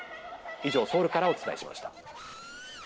以上、ソウルからお伝えしました。